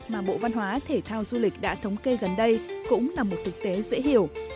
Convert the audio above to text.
mà bộ văn hóa thể thao du lịch đã thống kê gần đây cũng là một thực tế dễ hiểu